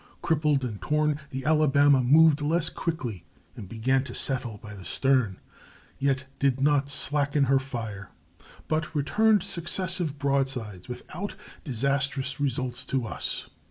Crippled and torn, the Alabama moved less quickly and began to settle by the stern, yet did not slacken her fire, but returned successive broadsides without disastrous result to us.